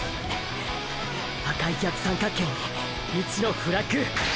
赤い逆三角形に“１”のフラッグ。